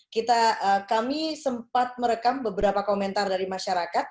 kami sempat merekam beberapa komentar dari masyarakat